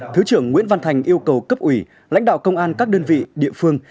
thứ trưởng nguyễn văn thành yêu cầu cấp ủy lãnh đạo công an các đơn vị địa phương